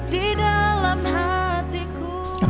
di dalam hatiku